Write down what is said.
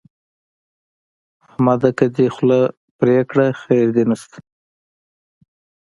احمد ده که دې خوله پرې کړه؛ خير دې نه شته.